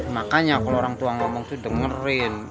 makanya kalau orang tua ngomong tuh dengerin